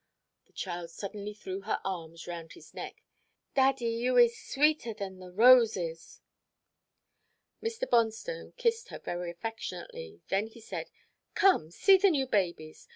The child suddenly threw her arms round his neck. "Daddy, you is sweeter than the roses." Mr. Bonstone kissed her very affectionately, then he said, "Come, see the new babies.